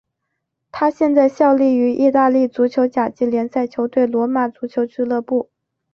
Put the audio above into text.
他现在效力于意大利足球甲级联赛球队罗马足球俱乐部。